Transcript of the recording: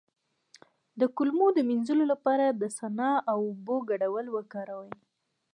د کولمو د مینځلو لپاره د سنا او اوبو ګډول وکاروئ